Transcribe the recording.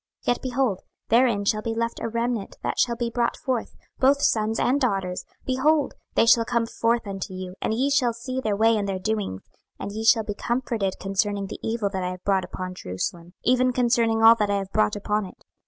26:014:022 Yet, behold, therein shall be left a remnant that shall be brought forth, both sons and daughters: behold, they shall come forth unto you, and ye shall see their way and their doings: and ye shall be comforted concerning the evil that I have brought upon Jerusalem, even concerning all that I have brought upon it.